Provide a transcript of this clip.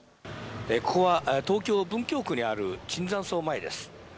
ここは東京・文京区にある椿山荘前です。